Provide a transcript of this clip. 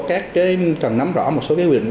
các cái cần nắm rõ một số cái quy định